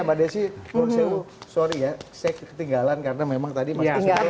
mbak desi maaf ya saya ketinggalan karena memang tadi mas arswendo